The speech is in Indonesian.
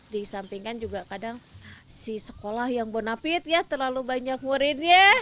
disampingkan juga kadang si sekolah yang bonapit ya terlalu banyak muridnya